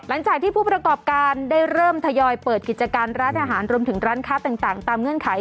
หลังจากที่ผู้ประกอบการได้เริ่มทยอยเปิดกิจการร้านอาหารรวมถึงร้านค้าต่างตามเงื่อนไข